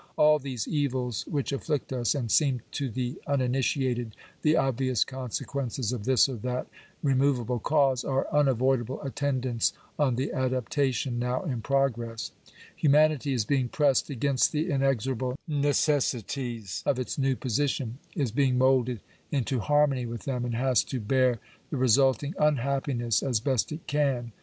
All these evils, which afflict us, and seem I to the uninitiated the obvious consequences of this or that re movable cause, are unavoidable attendants on the adaptation now in progress. Humanity is being pressed against the in exorable necessities of its new position — is being moulded into harmony with them, and has to bear the resulting unhappiness as best it can.